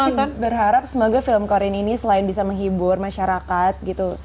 kalau aku sih berharap semoga film korean ini selain bisa menghibur masyarakat gitu